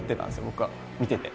僕は見てて。